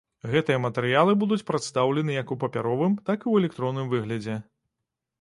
Гэтыя матэрыялы будуць прадстаўлены як у папяровым, так і ў электронным выглядзе.